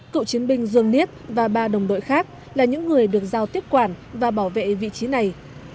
cựu chiến binh dương niết và ba đồng đội khác là những người được giao tiếp quản và bảo vệ vị trí này